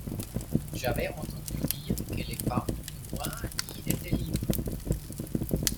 J'avais entendu dire que les femmes, du moins, y étaient libres.